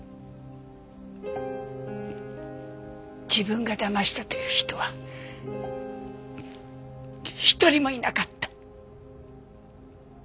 自分がだましたという人は一人もいなかった。